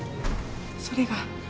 それが。